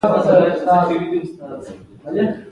دا بايد له ياده ونه ايستل شي چې فکر پر خپل فزيکي معادل بدلېږي.